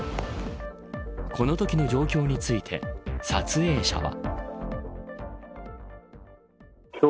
このときの状況について撮影者は。